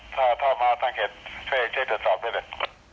ถ้าเข้ามาทางเขตช่วยตรวจสอบด้วยเลย